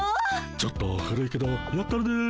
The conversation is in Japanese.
ちょっと古いけどやったるで。